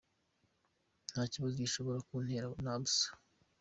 Nta kibazo bishobora kuntera na busa.